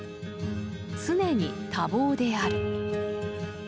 常に多忙である。